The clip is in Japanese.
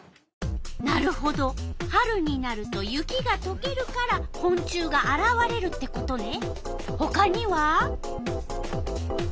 なるほど春になると雪がとけるからこん虫があらわれるってことね。